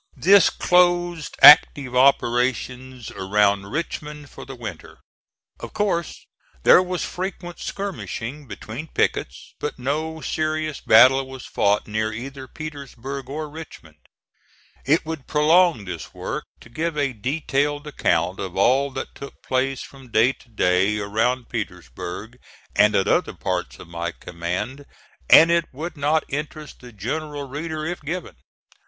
This closed active operations around Richmond for the winter. Of course there was frequent skirmishing between pickets, but no serious battle was fought near either Petersburg or Richmond. It would prolong this work to give a detailed account of all that took place from day to day around Petersburg and at other parts of my command, and it would not interest the general reader if given.